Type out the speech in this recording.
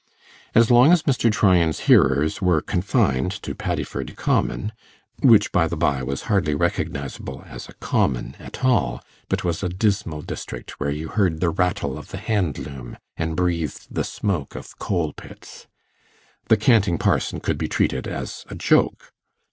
As long as Mr. Tryan's hearers were confined to Paddiford Common which, by the by, was hardly recognizable as a common at all, but was a dismal district where you heard the rattle of the handloom, and breathed the smoke of coal pits the 'canting parson' could be treated as a joke.